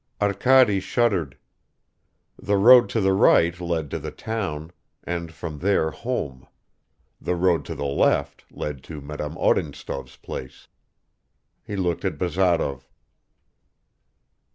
Arkady shuddered. The road to the right led to the town, and from there home; the road to the left led to Madame Odintsov's place. He looked at Bazarov.